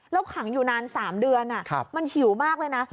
แล้วขังอยู่นาน๓เดือนมันหิวมากเลยนะ